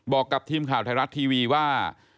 บอกกับทีมข่าวไทยรัฐทีวีว่า